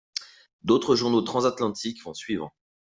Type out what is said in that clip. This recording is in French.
D'autres journaux transatlantiques vont suivre.